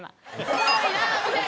「おもろいな」みたいな。